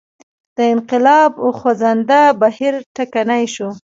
د انقلاب خوځنده بهیر ټکنی شو.